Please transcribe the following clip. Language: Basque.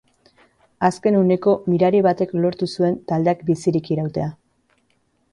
Azken uneko mirari batek lortu zuen taldeak bizirik irautea.